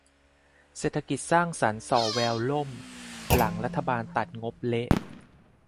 เศรษฐกิจสร้างสรรค์ส่อแววล่ม หลังรัฐตัดงบเละ